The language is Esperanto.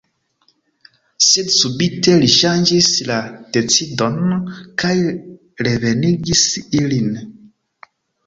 Sed subite li ŝanĝis la decidon, kaj revenigis ilin.